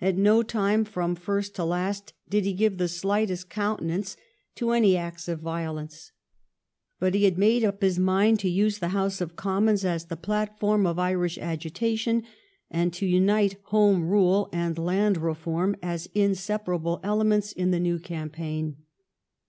At no time from first to last did he give the slightest coun tenance to any acts of violence. But he had ""■'"''''■■■'"■ made up his mind to use the House of Commons as the platform of Irish agita tion, and to unite Home Rule and Land Reform as inseparable elements in the new campaign.